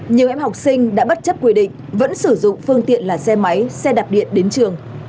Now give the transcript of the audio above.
nhiều em học sinh đã bất chấp quy định vẫn sử dụng phương tiện là xe máy xe đạp điện đến trường